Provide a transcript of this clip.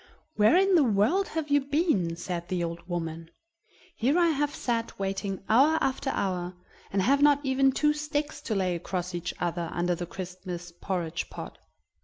"Where in the world have you been?" said the old woman. "Here I have sat waiting hour after hour, and have not even two sticks to lay across each other under the Christmas porridge pot."